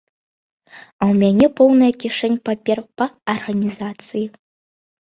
А ў мяне поўная кішэнь папер па арганізацыі.